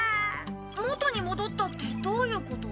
元に戻ったってどういうこと？